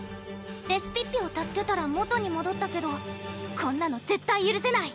レシピッピを助けたら元にもどったけどこんなの絶対ゆるせない！